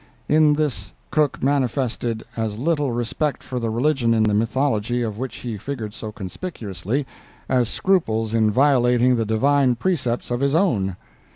In this Cook manifested as little respect for the religion in the mythology of which he figured so conspicuously, as scruples in violating the divine precepts of his own.